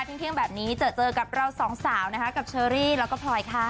เที่ยงแบบนี้เจอเจอกับเราสองสาวนะคะกับเชอรี่แล้วก็พลอยค่ะ